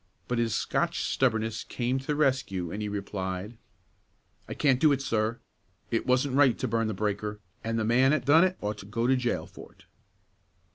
But his Scotch stubbornness came to the rescue, and he replied, "I can't do it, sir; it wasn't right to burn the breaker, an' the man 'at done it ought to go to jail for it."